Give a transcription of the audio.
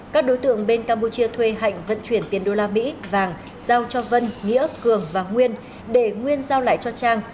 các đối tượng bên campuchia thuê hạnh vận chuyển tiền đô la mỹ vàng giao cho vân nghĩa cường và nguyên để nguyên giao lại cho trang